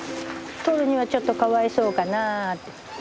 とるにはちょっとかわいそうかな。